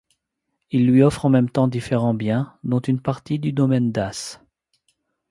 Ils lui offrent en même temps différents biens, dont une partie du domaine d'Asse.